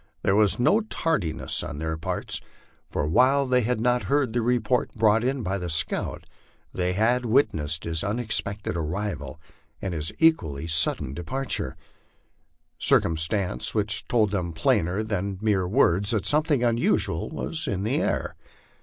There was no tardiness on their part, for while they had not heard the report brought in by the scout, they had witnessed his unexpected arrival and his equally sudden departure circumstances which told them plainer than mere words that something unusual was in the air.